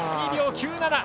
２秒９７。